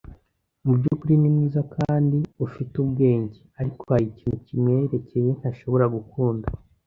Mubyukuri ni mwiza kandi ufite ubwenge, ariko hari ikintu kimwerekeye ntashobora gukunda.